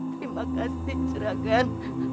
terima kasih juragan